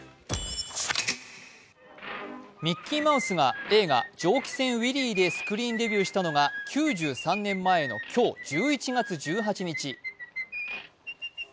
ミッキーマウスが映画「蒸気船ウィリー」でスクリーンデビューしたのが９３年前の今日、１１月１８日。